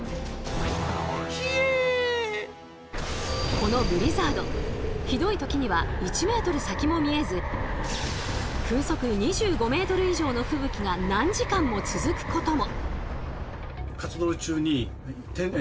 このブリザードひどい時には１ｍ先も見えず風速２５ｍ以上の吹雪が何時間も続くことも。